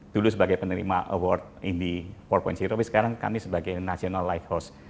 dulu sebagai penerima award indy empat tapi sekarang kami sebagai national lighthouse